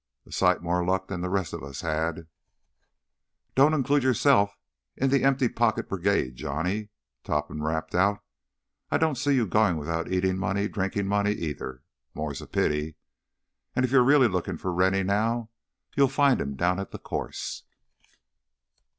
A sight more luck than th' rest of us had—" "Don't include yourself in the empty pocket brigade, Johnny," Topham rapped out. "I don't see you going without eating money, drinking money either, more's a pity. And if you're really looking for Rennie now, you'll find him down at the course."